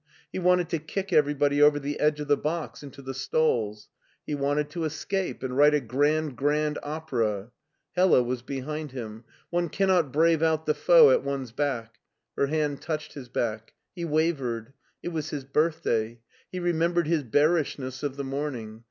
He wanted to kick everybody over the edge of the box into the stalls. He wanted to escape and write a grand grand opera. Hella was behind him. One cannot brave out the foe at one's back. Her hand touched his back. He wavered. It was his birthday. He remembered his bearishness of the morning.